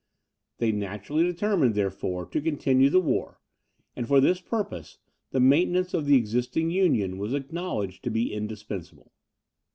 They naturally determined, therefore, to continue the war, and for this purpose, the maintenance of the existing union was acknowledged to be indispensable.